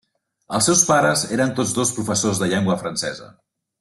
Els seus pares eren tots dos professors de llengua francesa.